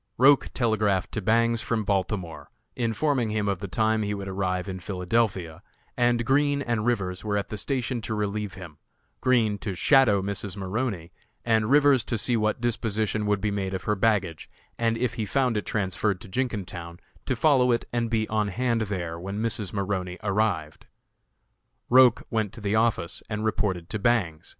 Roch telegraphed to Bangs from Baltimore, informing him of the time he would arrive in Philadelphia, and Green and Rivers were at the station to relieve him Green to "shadow" Mrs. Maroney and Rivers to see what disposition would be made of her baggage, and if he found it transferred to Jenkintown to follow it and be on hand there when Mrs. Maroney arrived. Roch went to the office and reported to Bangs.